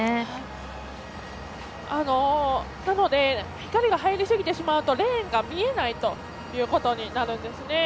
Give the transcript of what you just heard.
光が入りすぎてしまうとレーンが見えないということになるんですね。